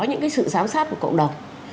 những cái sự sám sát của cộng đồng